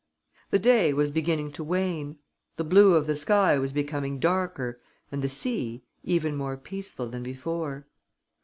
The day was beginning to wane. The blue of the sky was becoming darker and the sea, even more peaceful than before.